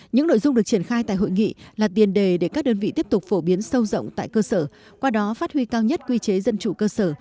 những nội dung được triển khai tại hội nghị là tiền đề để các đơn vị tiếp tục phổ biến sâu rộng tại cơ sở qua đó phát huy cao nhất quy chế dân chủ cơ sở